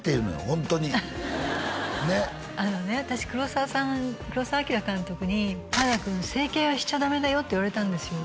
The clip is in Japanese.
ホントにねっあのね私黒澤さん黒澤明監督に「原田君整形はしちゃダメだよ」って言われたんですよ